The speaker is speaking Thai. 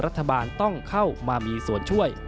รัฐบาลต้องเข้ามามีส่วนช่วย